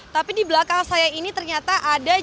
tapi di belakang saya ini ternyata ada